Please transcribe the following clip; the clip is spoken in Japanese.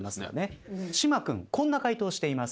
島君こんな解答をしています。